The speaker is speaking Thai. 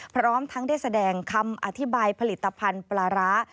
พร้อมทั้งได้แสดงคำอธิบายผลิตภัณฑ์ปลาร้า